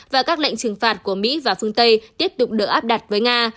và các lệnh trừng phạt của mỹ và phương tây tiếp tục được áp đặt với nga